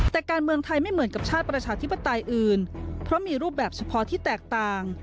แต่การเมืองไทยไม่เหมือนกับชาติประชาธิปไตยอื่นเพราะมีรูปแบบเฉพาะที่แตกต่าง